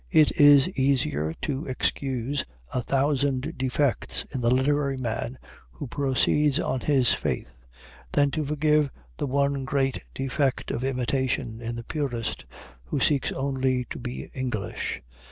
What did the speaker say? It is easier to excuse a thousand defects in the literary man who proceeds on this faith, than to forgive the one great defect of imitation in the purist who seeks only to be English.